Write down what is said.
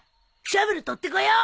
シャベル取ってこよう。